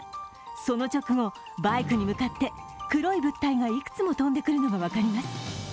その直後、バイクに向かって黒い物体がいくつも飛んでくるのが分かります。